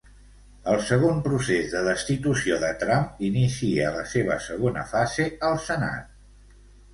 El segon procés de destitució de Trump inicia la seva segona fase al Senat.